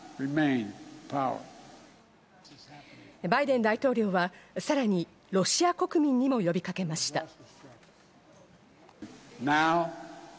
バイデン大統領は、さらにロシア国民にも呼びかけました。